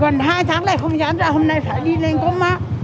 gần hai tháng nay không dám ra hôm nay phải đi lên có má